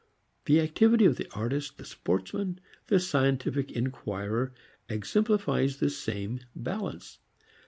The activity of the artist, the sportsman, the scientific inquirer exemplifies the same balance.